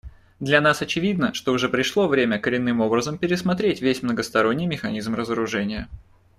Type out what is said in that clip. Для нас очевидно, что уже пришло время коренным образом пересмотреть весь многосторонний механизм разоружения.